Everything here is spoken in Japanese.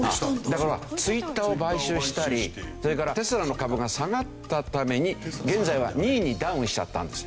だからＴｗｉｔｔｅｒを買収したりそれからテスラの株が下がったために現在は２位にダウンしちゃったんです。